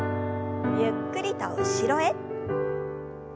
ゆっくりと後ろへ。